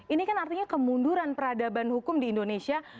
ini kan artinya kemunduran peradaban hukum di indonesia